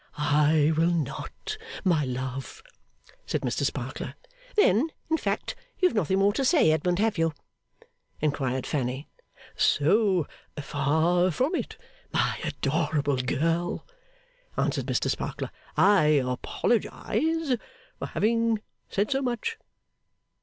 'I will not, my love,' said Mr Sparkler. 'Then, in fact, you have nothing more to say, Edmund; have you?' inquired Fanny. 'So far from it, my adorable girl,' answered Mr Sparkler, 'I apologise for having said so much.